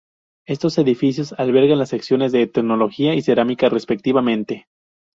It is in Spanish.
Estos edificios albergan las secciones de etnología y cerámica respectivamente.